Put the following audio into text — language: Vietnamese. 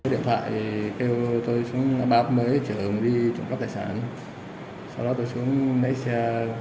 điện thoại kêu tôi xuống abab mới trở đi trộm các tài sản